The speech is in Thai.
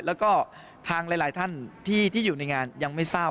แล้วก็ทางหลายท่านที่อยู่ในงานยังไม่ทราบ